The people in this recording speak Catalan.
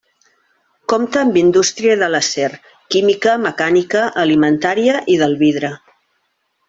Compta amb indústria de l'acer, química, mecànica, alimentària i del vidre.